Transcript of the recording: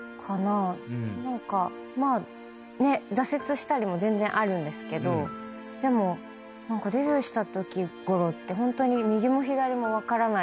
何かまあね挫折したりも全然あるんですけどでもデビューしたときごろってホントに右も左も分からない